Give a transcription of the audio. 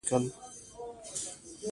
ویلسلي ډونډاس ته ولیکل.